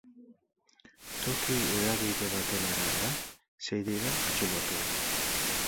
Toki hedabide baten arabera, sei dira atxilotuak.